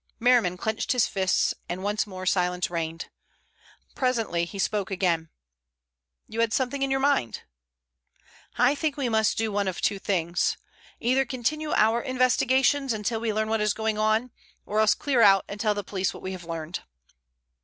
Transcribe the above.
Merriman clenched his fists and once more silence reigned. Presently he spoke again: "You had something in your mind?" "I think we must do one of two things. Either continue our investigations until we learn what is going on, or else clear out and tell the police what we have learned."